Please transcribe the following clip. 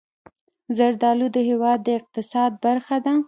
زردالو د هېواد د اقتصاد برخه ده.